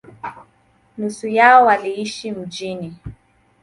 Nusu yao waliishi mjini.